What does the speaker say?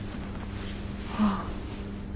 ああ。